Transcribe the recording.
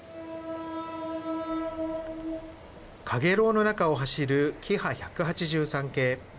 かげろうの中を走るキハ１８３系。